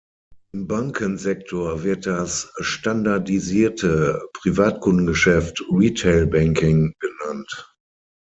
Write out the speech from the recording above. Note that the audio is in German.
Im Bankensektor wird das standardisierte Privatkundengeschäft Retail Banking genannt.